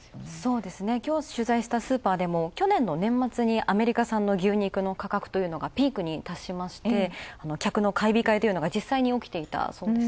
そうですね、きょう取材したスーパーでも去年のアメリカ産の牛肉の価格がピークに達しまして客の買い控えが実際に起きていた。